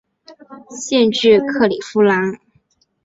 县治克里夫兰。